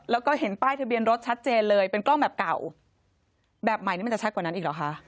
แล้วก็เห็นป้ายทะเบียนรถชัดเจนเลยเป็นกล้องแบบเก่าแบบใหม่นี่มันจะชัดกว่านั้นอีกเหรอคะ